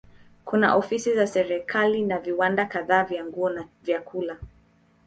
Kuna ofisi za serikali na viwanda kadhaa vya nguo na vyakula.